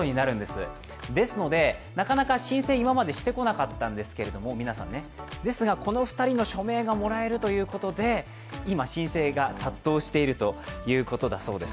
ですので、なかなか申請今まで皆さんしてこなかったんですけれども、ですが、この２人の署名がもらえるということで、今、申請が殺到しているということだそうです。